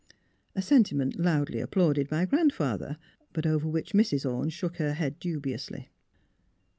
A sentiment loudly applauded by Grandfather, but over which Mrs. Orne shook her head dubiously.